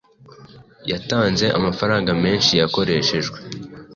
yatanze amafaranga menshi yakoreshejwe